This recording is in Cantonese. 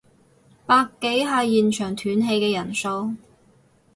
百幾係現場斷氣嘅人數